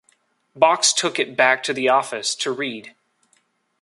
Box took it back to the office to read.